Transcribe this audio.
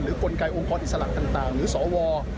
กลไกองค์กรอิสระต่างหรือสว